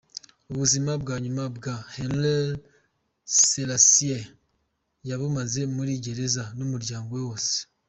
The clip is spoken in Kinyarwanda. Ubuzima bwa nyuma bwa Haile Selassie yabumaze muri gereza, n’umuryango we wose.